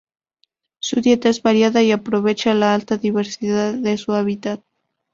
Su dieta es variada y aprovecha la alta diversidad de su hábitat.